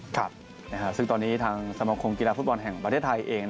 ครับซึ่งตอนนี้ทางสมคมกีฬาฟุตบอลแห่งประเทศไทยเอง